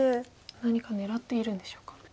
何か狙っているんでしょうか。